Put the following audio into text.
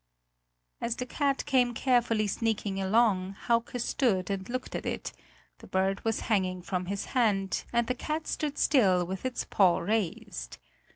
As the cat came carefully sneaking along, Hauke stood and looked at it: the bird was hanging from his hand, and the cat stood still with its paw raised.